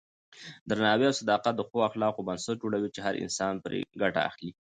درناوی او صداقت د ښو اخلاقو بنسټ جوړوي چې هر انسان پرې ګټه اخلي.